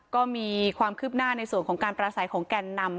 ก็มีความคืบหน้าในส่วนของการประสัยของแก่นนำ